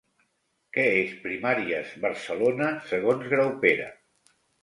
Què és Primàries Barcelona segons Graupera?